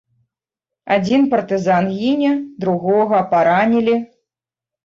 Адзін партызан гіне, другога паранілі.